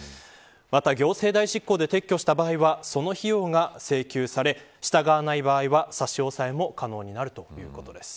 また行政代執行で撤去した場合その費用が請求され従わない場合は、差し押さえも可能になるということです。